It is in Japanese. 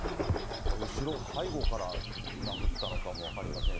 後ろ、背後から殴ったのかも分かりませんし。